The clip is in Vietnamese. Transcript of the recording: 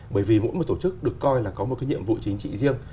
bởi vì mỗi một tổ chức được coi là có một cái nhiệm vụ chính trị riêng